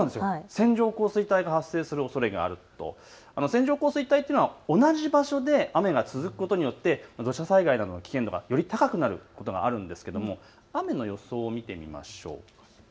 線状降水帯が発生するおそれがある、線状降水帯というのは同じ場所で雨が続くことによって土砂災害などの危険度がより高くなることがあるんですが雨の予想を見ていきましょう。